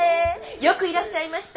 よくいらっしゃいました。